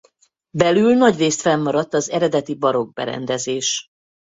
Belül nagyrészt fennmaradt az eredeti barokk berendezés.